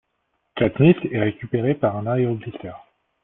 Katniss est récupérée par un aéroglisseur.